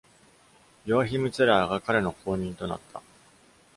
ヨアヒム・ツェラーが彼の後任となった。